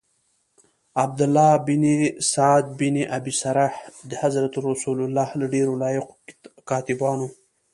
عبدالله بن سعد بن ابی سرح د حضرت رسول له ډیرو لایقو کاتبانو.